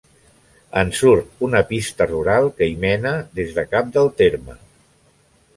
En surt una pista rural que hi mena, des del Cap del Terme.